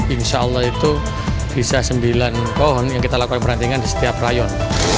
insya allah itu bisa sembilan pohon yang kita lakukan perantingan di setiap rayon